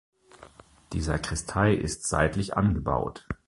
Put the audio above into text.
Die Sakristei ist seitlich angebaut.